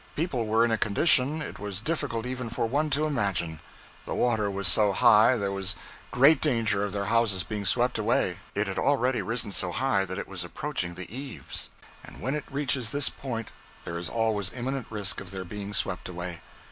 People were in a condition it was difficult even for one to imagine. The water was so high there was great danger of their houses being swept away. It had already risen so high that it was approaching the eaves, and when it reaches this point there is always imminent risk of their being swept away.